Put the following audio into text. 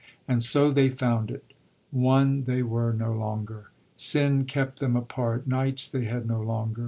And so they found it. One they were no longer. Sin kept them apart. Nights they had no longer.